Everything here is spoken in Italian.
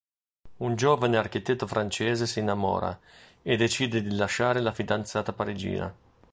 Un giovane architetto francese si innamora e decide di lasciare la fidanzata parigina.